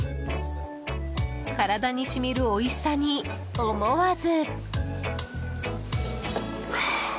体に染みるおいしさに思わず。